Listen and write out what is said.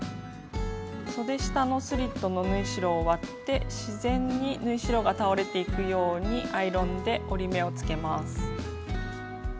そで下のスリットの縫い代を割って自然に縫い代が倒れていくようにアイロンで折り目をつけます。